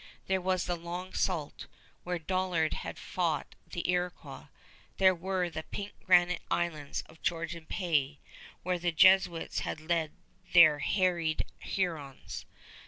There was the Long Sault, where Dollard had fought the Iroquois. There were the pink granite islands of Georgian Bay, where the Jesuits had led their harried Hurons.